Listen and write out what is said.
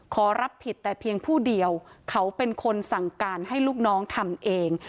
ขอรับผิดแต่เพียงผู้เดียวเขาเป็นคนสั่งการให้ลูกน้องทำเอง